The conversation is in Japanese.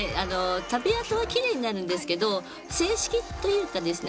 食べあとはキレイになるんですけど正式というかですね